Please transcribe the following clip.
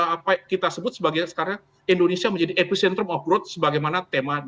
apa yang kita sebut sekarang indonesia menjadi epicentrum of growth sebagaimana tema di asean